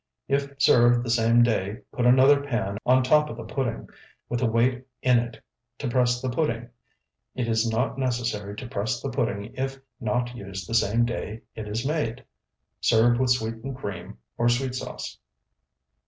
If served the same day, put another pan on top of the pudding, with a weight in it, to press the pudding. It is not necessary to press the pudding if not used the same day it is made. Serve with sweetened cream or sweet sauce.